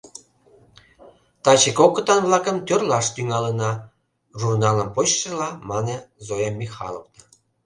— Таче кокытан-влакым тӧрлаш тӱҥалына, — журналым почшыла, мане Зоя Михайловна.